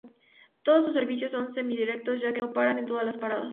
Todos sus servicios son semi-directos, ya que no para en todas las paradas.